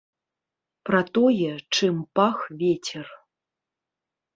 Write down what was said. Пра тое, чым пах вецер.